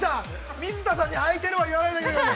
水田さんにあいてるは言わないであげて。